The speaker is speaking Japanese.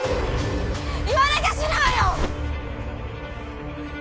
言わなきゃ死ぬわよ！